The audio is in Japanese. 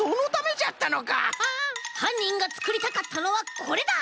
はんにんがつくりたかったのはこれだ！